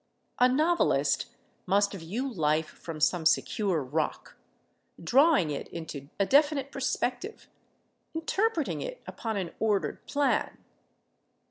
A novelist must view life from some secure rock, drawing it into a definite perspective, interpreting it upon an ordered plan.